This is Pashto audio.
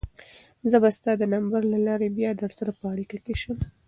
زه به ستا د نمبر له لارې بیا درسره په اړیکه کې شم.